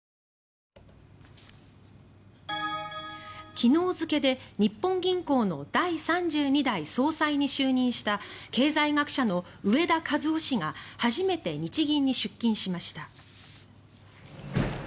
昨日付で日本銀行の第３２代総裁に就任した経済学者の植田和男氏が初めて日銀に出勤しました。